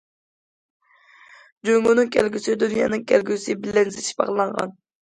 جۇڭگونىڭ كەلگۈسى دۇنيانىڭ كەلگۈسى بىلەن زىچ باغلانغان.